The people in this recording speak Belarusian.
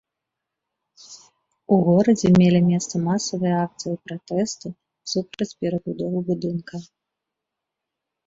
У горадзе мелі месца масавыя акцыі пратэсту супраць перабудовы будынка.